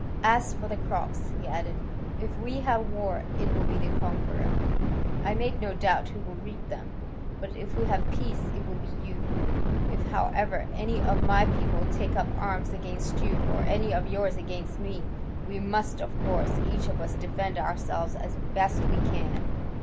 As for the crops," he added, "if we have war, it will be the conqueror, I make no doubt, who will reap them, but if we have peace, it will be you. If, however, any of my people take up arms against you, or any of yours against me, we must, of course, each of us, defend ourselves as best we can."